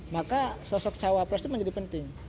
maka sosok cawa pres itu menjadi penting